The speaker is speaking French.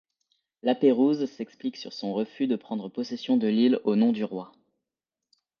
Lapérouse s'explique sur son refus de prendre possession de l'île au nom du roi.